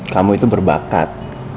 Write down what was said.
kamu itu berbakat